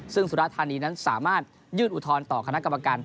ซึ่งสุรธานีนั้นสามารถยื่นอุทธรณ์ต่อคณะกรรมการ